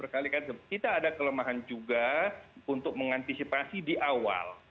kita ada kelemahan juga untuk mengantisipasi di awal